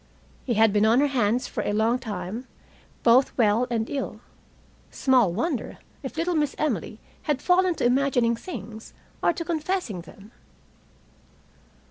He had been on her hands for a long time, both well and ill. Small wonder if little Miss Emily had fallen to imagining things, or to confessing them.